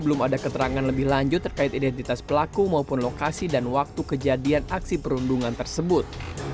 belum ada keterangan lebih lanjut terkait identitas pelaku maupun lokasi dan waktu kejadian aksi perundungan tersebut